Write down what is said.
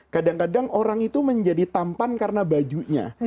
kadang kadang orang itu menjadi tampan karena bajunya